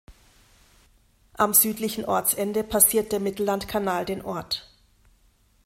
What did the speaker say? Am südlichen Ortsende passiert der Mittellandkanal den Ort.